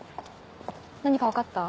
何か分かった？